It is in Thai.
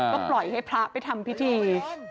ก็ปล่อยให้พระไปทำพิธี